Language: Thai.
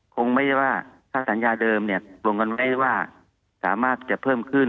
คงไม่ใช่ว่าถ้าสัญญาเดิมเนี่ยรวมกันไว้ว่าสามารถจะเพิ่มขึ้น